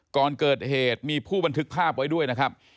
ก่อนเกิดเหตุมีผู้บันทึกภาพไว้ด้วยนะครับ